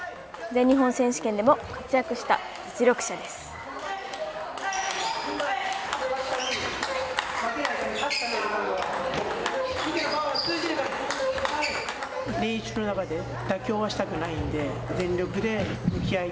全日本選手権でも活躍した実力者です。